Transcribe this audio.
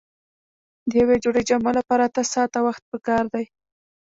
د یوې جوړې جامو لپاره اته ساعته وخت پکار دی.